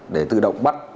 để tự động bắt